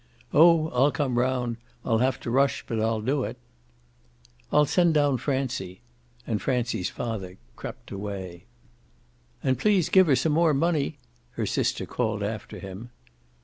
"Oh, I'll come round! I'll have to rush, but I'll do it." "I'll send down Francie." And Francie's father crept away. "And please give her some more money!" her sister called after him.